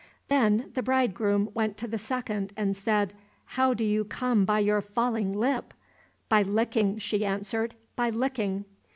Then the bridegroom went to the second, and said, "How do you come by your falling lip?" "By licking," she answered, "by licking."